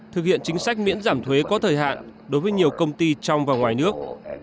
thực hiện chính sách miễn giảm thuế có thời hạn đối với nhiều công ty trong và ngoài nước